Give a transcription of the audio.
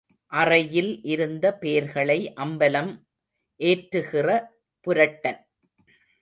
அறையில் இருந்த பேர்களை அம்பலம் ஏற்றுகிற புரட்டன்.